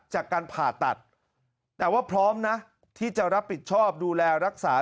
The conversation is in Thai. จากการผ่าตัดแต่ว่าพร้อมนะที่จะรับผิดชอบดูแลรักษา